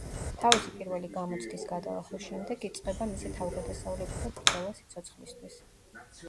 თავისი პირველი გამოცდის გადალახვის შემდეგ იწყება მისი თავგადასავლები და ბრძოლა სიცოცხლისთვის.